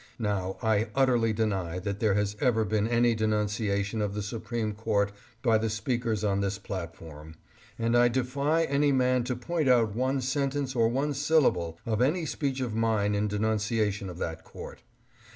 Now, I utterly deny that there has ever been any de nunciation of the Supreme Court by the speakers on this platform, and I defy any man to point out one sentence or one syllable of any speech of mine in denunciation of that court.